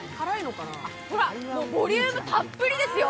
ほらボリュームたっぷりですよ。